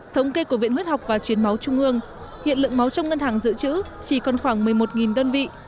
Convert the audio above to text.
thống kê của viện huyết học và truyền máu trung ương hiện lượng máu trong ngân hàng dự trữ chỉ còn khoảng một mươi một đơn vị